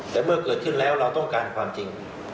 แต่เมื่อเกิดขึ้นแล้วเราต้องการความจริง